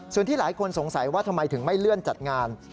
ส่วนที่หลายคนสงสัยว่าทำไมถึงไม่เลื่อนจัดงาน